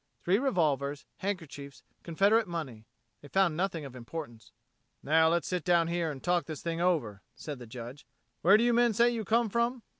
Three revolvers, handkerchiefs, Confederate money.... They found nothing of importance. "Now let's sit down here and talk this thing over," said the Judge. "Where do you men say you come from!"